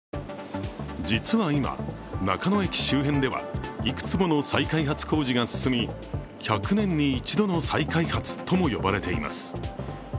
実は今、中野駅周辺ではいくつもの再開発工事が進み１００年に一度の再開発とも呼ばれています。